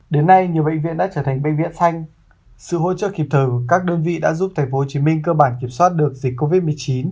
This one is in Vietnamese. đến nay nhiều bệnh viện đã trở thành bệnh viện phanh sự hỗ trợ kịp thời các đơn vị đã giúp tp hcm cơ bản kiểm soát được dịch covid một mươi chín